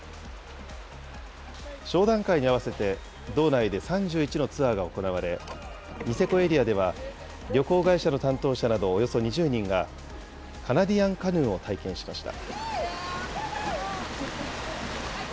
商談会に合わせて、道内で３１のツアーが行われ、ニセコエリアでは旅行会社の担当者などおよそ２０人が、カナディアンカヌーを体験しました。